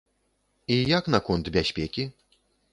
І як наконт бяспекі?